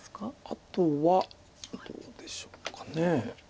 あとはどうでしょうか。